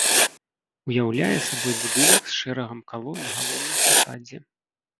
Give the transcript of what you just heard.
Уяўляе сабой будынак з шэрагам калон на галоўным фасадзе.